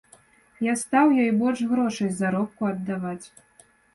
Я стаў ёй больш грошай з заробку аддаваць.